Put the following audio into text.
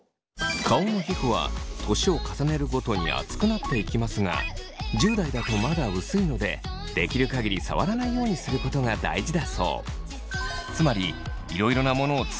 顔の皮膚は年を重ねるごとに厚くなっていきますが１０代だとまだ薄いのでできる限り触らないようにすることが大事だそう。